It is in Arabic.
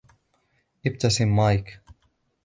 ابتسم مايك.